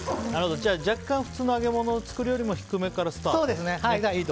じゃあ、若干普通の揚げ物を作る時より低めからスタートと。